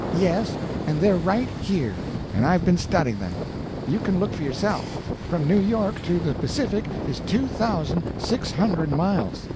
"Yes, and they're right here, and I've been studying them. You can look for yourself. From New York to the Pacific is 2,600 miles.